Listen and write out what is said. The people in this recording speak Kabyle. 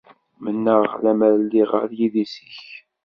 Mennaɣ lemmer lliɣ ɣer yidis-nnek.